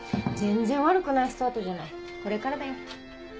全然悪くないスタートじゃないこれからだよ。